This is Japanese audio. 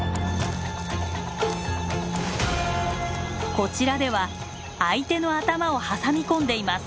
こちらでは相手の頭を挟み込んでいます。